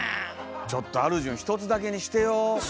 ちょっとアルジュン１つだけにしてよ。